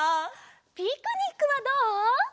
ピクニックはどう？